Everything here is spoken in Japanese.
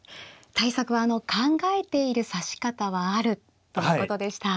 対策は考えている指し方はあるということでした。